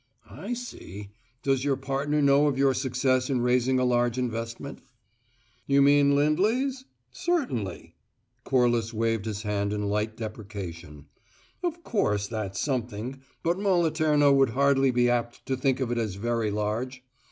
"I see. Does your partner know of your success in raising a large investment?" "You mean Lindley's? Certainly." Corliss waved his hand in light deprecation. "Of course that's something, but Moliterno would hardly be apt to think of it as very large!